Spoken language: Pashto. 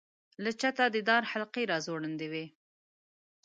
له چته د دار حلقې را ځوړندې وې.